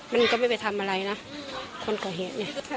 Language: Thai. มันก็ไม่ไปทำอะไรนะคนก่อเหตุเนี่ย